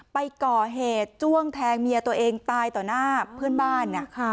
ไปก่อเหตุจ้วงแทงเมียตัวเองตายต่อหน้าเพื่อนบ้าน